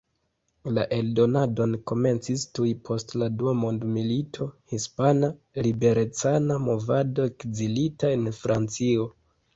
La eldonadon komencis tuj post la dua mondmilito Hispana Liberecana Movado ekzilita en Francio.